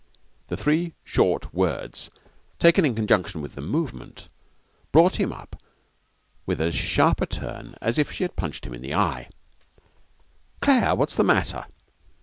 The three short words, taken in conjunction with the movement, brought him up with as sharp a turn as if she had punched him in the eye. 'Claire! What's the matter?'